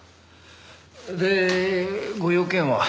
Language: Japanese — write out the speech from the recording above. でご用件は？